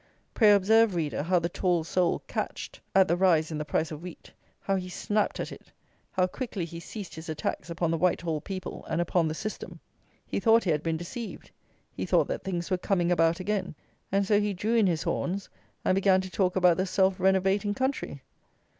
Pray observe, reader, how the "tall soul" catched at the rise in the price of wheat: how he snapped at it: how quickly he ceased his attacks upon the Whitehall people and upon the System. He thought he had been deceived: he thought that things were coming about again; and so he drew in his horns, and began to talk about the self renovating country.